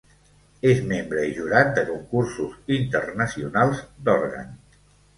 És membre i jurat de concursos internacionals d'òrgan.